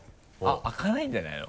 開かないんじゃないの？